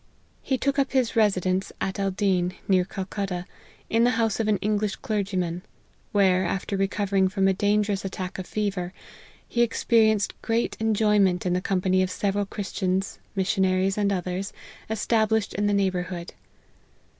He took up his residence at Aldeen, near Calcutta, in the house of an English clergyman ; where, after recovering from a dan gerous attack of fever, he experienced great en joyment in the company of several Christians, missionaries and others, established in the neigh bourhood.